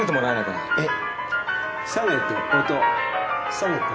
下げて。